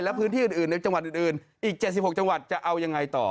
และพื้นที่อื่นในจังหวัดอื่นอีก๗๖จังหวัดจะเอายังไงต่อ